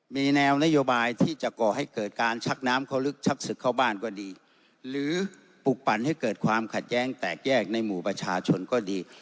มีแนวนโยบายที่จะก่อให้เกิดการชักน้ำเข้าลึกชักศึกเข้าบ้านก็ดี